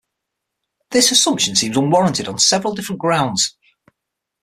This assumption seems unwarranted on several different grounds.